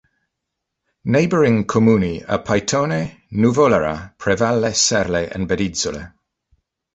Neighbouring comuni are Paitone, Nuvolera, Prevalle, Serle and Bedizzole.